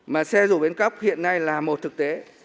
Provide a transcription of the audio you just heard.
mà xe rủ bến cóc hiện nay là một thực tế